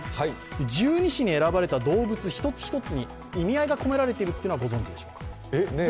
十二支に選ばれた動物一つ一つに意味合いが込められているのはご存じでしょうか？